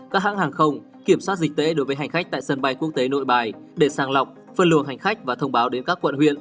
các hãng hàng không kiểm soát dịch tễ đối với hành khách tại sân bay quốc tế nội bài để sàng lọc phân luồng hành khách và thông báo đến các quận huyện